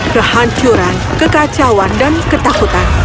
kehancuran kekacauan dan ketakutan